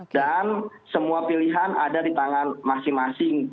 dan semua pilihan ada di tangan masing masing